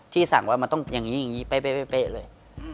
ที่สั่งว่ามันต้องอย่างนี้เป๊ะเลย